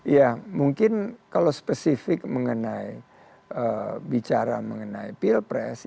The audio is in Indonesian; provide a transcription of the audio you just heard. ya mungkin kalau spesifik mengenai bicara mengenai pilpres